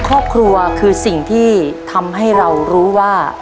ครอบครัวคือสิ่งที่ทำให้เรารู้ว่า